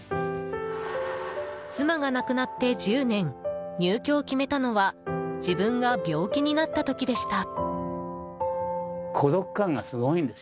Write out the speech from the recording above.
妻が亡くなって１０年入居を決めたのは自分が病気になった時でした。